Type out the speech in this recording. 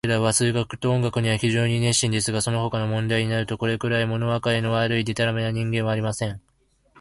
彼等は数学と音楽には非常に熱心ですが、そのほかの問題になると、これくらい、ものわかりの悪い、でたらめな人間はありません。